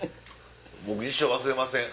僕一生忘れません。